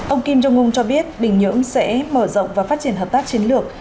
ông kim jong un cho biết bình nhưỡng sẽ mở rộng và phát triển hợp tác chiến lược